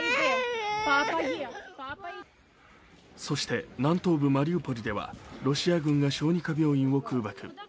そして南東部マリウポリではロシア軍が小児科病院を空爆。